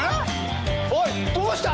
おいどうした！？